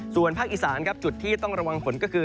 ส่วนภาคอีสานครับจุดที่ต้องระวังฝนก็คือ